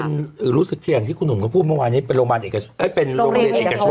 คือรู้สึกแค่อย่างที่คุณหนุ่มก็พูดเมื่อวานนี้เป็นโรงเรียนเอกชน